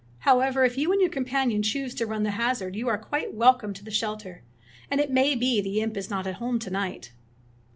However, if you and your companion choose to run the hazard, you are quite welcome to the shelter; and it may be the imp is not at home to night."